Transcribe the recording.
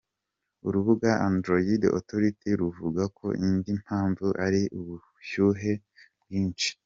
Urubuga Android Authority ruvuga ko indi mpamvu ari ubushyuhe bwinshi.